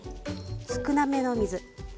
少なめの水です。